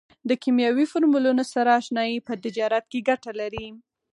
د کیمیاوي فورمولونو سره اشنایي په تجارت کې ګټه لري.